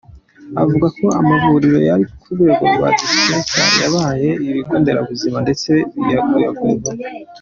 Avuga ko amavuriro yari ku rwego rwa dispensaire yabaye ibigo nderabuzima ndetse biyongerwa.